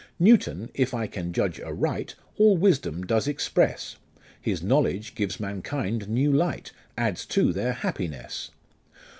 "Newton, if I can judge aright, All Wisdom does express ; His knowledge gives mankind new light, Adds to their happiness.